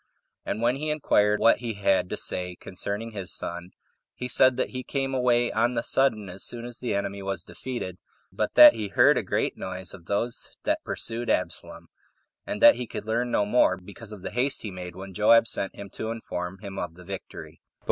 And when he inquired what he had to say concerning his son, he said that he came away on the sudden as soon as the enemy was defeated, but that he heard a great noise of those that pursued Absalom, and that he could learn no more, because of the haste he made when Joab sent him to inform him of the victory.